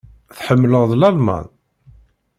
Tḥemmleḍ Lalman?